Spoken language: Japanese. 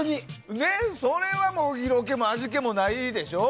それは色気も味気もないでしょ？